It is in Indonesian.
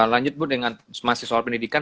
lanjut bu dengan masih soal pendidikan